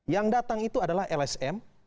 yang datang itu adalah lsm